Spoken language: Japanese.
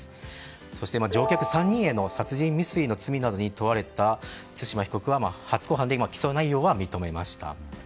そして、乗客３人への殺人未遂の罪などに問われた対馬被告は初公判で今、起訴内容は認めました。